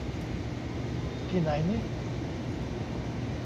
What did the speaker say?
ที่ไหนนิ